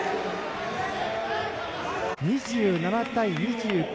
２７対２９。